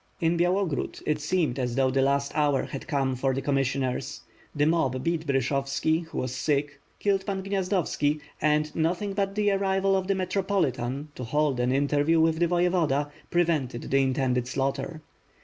In Byalogrod it seemed as though the last hour had come for the commissioners. The mob beat Bryshovski, who was sick, killed Pan Jniazdovski and, nothing but the arrival of the metropolitan, to hold an interview with the Voyevoda, prevented the intended slaughter.